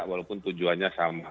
walaupun tujuannya sama